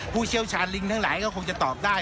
ผู้เชี่ยวชาญลิงทั้งหลายก็คงจะตอบได้